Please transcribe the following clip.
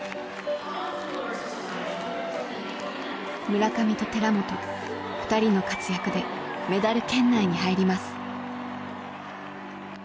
村上と寺本２人の活躍でメダル圏内に入ります。